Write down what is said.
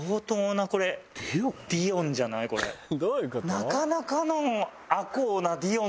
なかなかの。